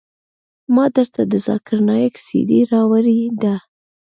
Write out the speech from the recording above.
ما درته د ذاکر نايک سي ډي راوړې ده.